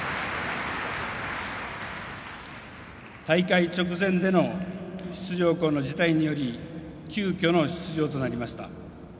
大会直前での出場校の辞退により急きょの出場となりました。